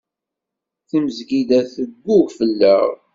Tamezgida teggug fell-aɣ.